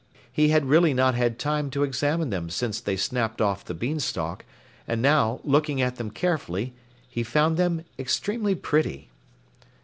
He had really not had time to examine them since they snapped off the beanstalk, and now, looking at them carefully, he found them extremely pretty.